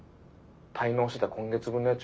滞納してた今月分の家賃